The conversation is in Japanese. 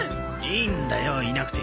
いいんだよいなくて。